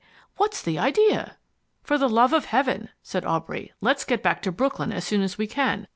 What's the idea?" "For the love of heaven," said Aubrey. "Let's get back to Brooklyn as soon as we can.